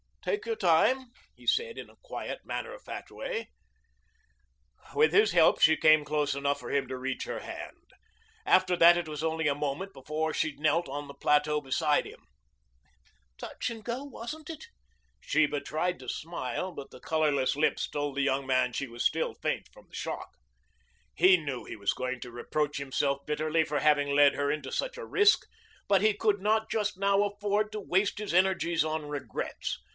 "Take your time," he said in a quiet, matter of fact way. With his help she came close enough for him to reach her hand. After that it was only a moment before she knelt on the plateau beside him. "Touch and go, wasn't it?" Sheba tried to smile, but the colorless lips told the young man she was still faint from the shock. He knew he was going to reproach himself bitterly for having led her into such a risk, but he could not just now afford to waste his energies on regrets.